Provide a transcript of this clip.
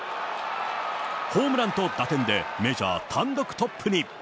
ホームランと打点でメジャー単独トップに。